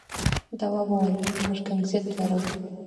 تواب وويل: لږ گنگسیت لرم.